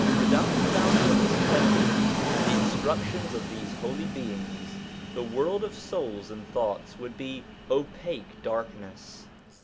Without the bounty of the splendour, and the instructions of these Holy Beings, the world of souls and thoughts would be opaque darkness.